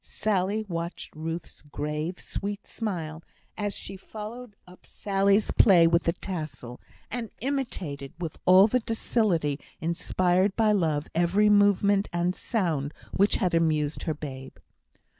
Sally watched Ruth's grave, sweet smile, as she followed up Sally's play with the tassel, and imitated, with all the docility inspired by love, every movement and sound which had amused her babe.